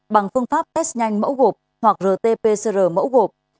bằng phương pháp test nhanh mẫu gộp hoặc rt pcr mẫu gộp